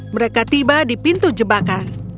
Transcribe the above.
mereka tiba di pintu jebakan